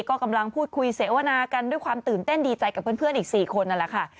ก็กำลังพูดคุยเสวนากันด้วยความตื่นเต้นดีใจกับเพื่อนอีก๔คนนั่นแหละค่ะ